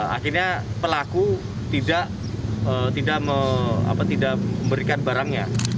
akhirnya pelaku tidak memberikan barangnya